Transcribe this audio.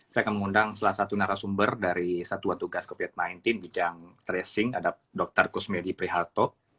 saya akan mengundang salah satu narasumber dari satuan tugas covid sembilan belas bidang tracing ada dr kusmedi priharto